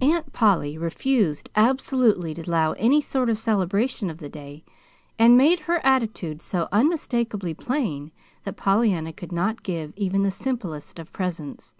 Aunt Polly refused absolutely to allow any sort of celebration of the day, and made her attitude so unmistakably plain that Pollyanna could not give even the simplest of presents.